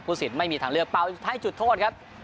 สินไม่มีทางเลือกเป่าให้จุดโทษครับ